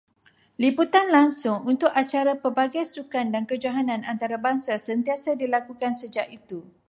Liputan langsung untuk acara pelbagai sukan dan kejohanan antarabangsa sentiasa dilakukan sejak itu.